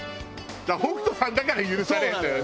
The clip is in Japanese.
北斗さんだから許されるのよね。